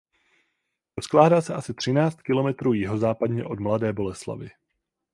Rozkládá se asi třináct kilometrů jihozápadně od Mladé Boleslavi.